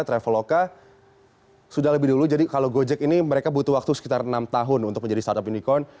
traveloka sudah lebih dulu jadi kalau gojek ini mereka butuh waktu sekitar enam tahun untuk menjadi startup unicorn